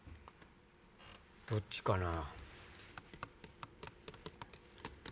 どっちかな？